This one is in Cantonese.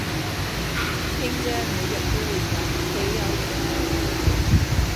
卿姐每日都會講豈有此理